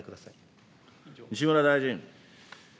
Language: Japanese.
西村大臣。